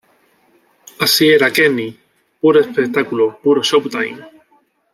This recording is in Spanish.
Así era Kenny, puro espectáculo, puro showtime.